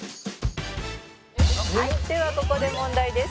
「はいではここで問題です」